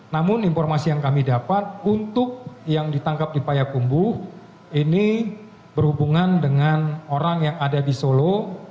namun informasi yang kami dapat untuk yang ditangkap di payakumbuh ini berhubungan dengan orang yang ada di solo